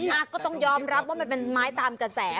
อ่ะก็ต้องยอมรับว่ามันเป็นไม้ตามกระแส